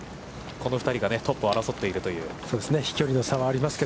この２人がトップを争っているという。